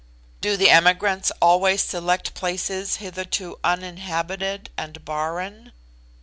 "Do the emigrants always select places hitherto uninhabited and barren?"